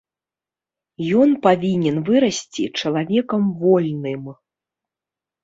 Ён павінен вырасці чалавекам вольным.